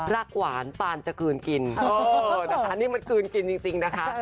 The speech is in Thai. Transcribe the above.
หวานปานจะคืนกินนะคะนี่มันคืนกินจริงนะคะ